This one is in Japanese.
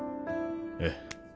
ええ。